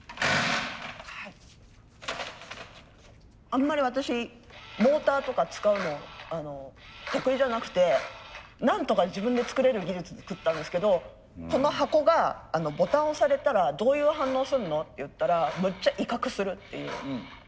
あんまり私モーターとか使うの得意じゃなくてなんとか自分で作れる技術で作ったんですけどこの箱がボタンを押されたらどういう反応するのっていったらむっちゃ威嚇するっていう。